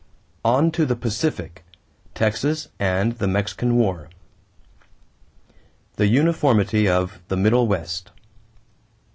ON TO THE PACIFIC TEXAS AND THE MEXICAN WAR =The Uniformity of the Middle West.